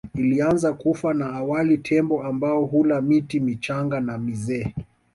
Ilianza kufa na awali Tembo ambao hula miti michanga na mizee